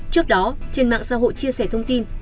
trước đó trên mạng xã hội chia sẻ thông tin